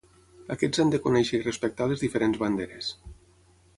Aquests han de conèixer i respectar les diferents banderes.